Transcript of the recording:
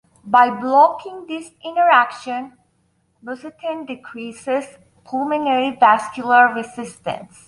By blocking this interaction, bosentan decreases pulmonary vascular resistance.